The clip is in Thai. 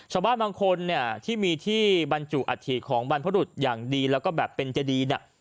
ชาวบ้านบางคนเนี่ยที่มีที่บรรจุอัฐิของบรรพรุษอย่างดีแล้วก็แบบเป็นเจดีน่ะ